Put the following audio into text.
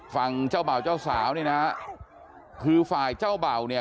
ฝั่งเจ้าบ่าวเจ้าสาวนี่นะฮะคือฝ่ายเจ้าเบ่าเนี่ย